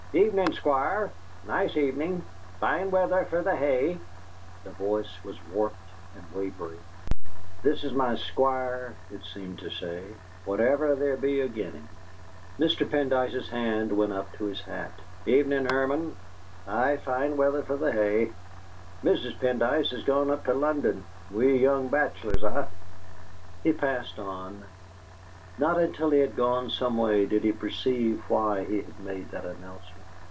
"Evenin', Squire; nice evenin'. Faine weather fur th' hay!" The voice was warped and wavery. '.his is my Squire,' it seemed to say, 'whatever ther' be agin him!' Mr. Pendyce's hand went up to his hat. "Evenin', Hermon. Aye, fine weather for the hay! Mrs. Pendyce has gone up to London. We young bachelors, ha!" He passed on. Not until he had gone some way did he perceive why he had made that announcement.